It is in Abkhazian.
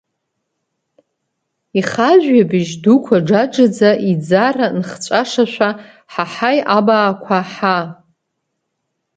Ихажәҩабжь дуқәа џаџаӡа, иӡара нхҵәашашәа, ҳаҳаи, абаақәа, ҳаа!